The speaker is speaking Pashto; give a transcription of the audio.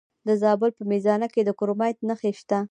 د زابل په میزانه کې د کرومایټ نښې شته.